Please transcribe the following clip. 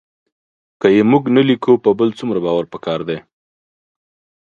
که یې موږ نه لیکو په بل څومره باور پکار دی